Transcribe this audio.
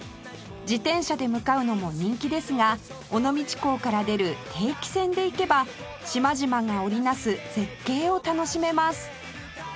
自転車で向かうのも人気ですが尾道港から出る定期船で行けば島々が織り成す絶景を楽しめます